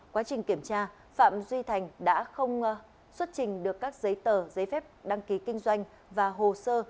quá trình kiểm tra phạm duy thành đã không xuất trình được các giấy tờ giấy phép đăng ký kinh doanh và hồ sơ